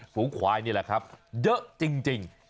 ฝูงควายนี่แหละครับเยอะจริง